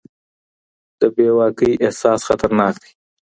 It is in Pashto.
د بې واکۍ احساس خطرناک دی.